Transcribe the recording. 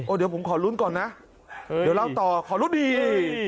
เดี๋ยวผมขอลุ้นก่อนนะเดี๋ยวเล่าต่อขอรุ้นดี